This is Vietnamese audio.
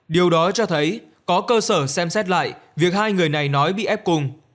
điều đó cho thấy có cơ sở xem xét lại việc hai người này nói bị ép cùng